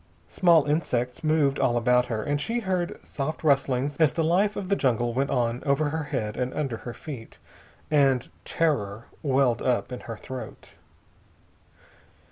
Small insects moved all about her, and she heard soft rustlings as the life of the jungle went on over her head and under her feet, and terror welled up in her throat.